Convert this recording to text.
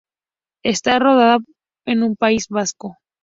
Está rodada en País Vasco.